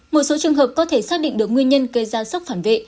một số trường hợp có thể xác định được nguyên nhân gây ra sốc phản vệ